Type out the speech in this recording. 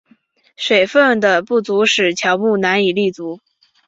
水分的不足使乔木难以立足。